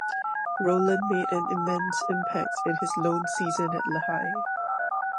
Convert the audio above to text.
Rowland made an immense impact in his lone season at Lehigh.